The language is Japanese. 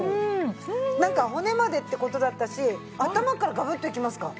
なんか骨までって事だったし頭からガブッといきますか。